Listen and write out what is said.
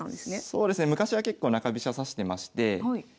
そうですね昔は結構中飛車指してまして。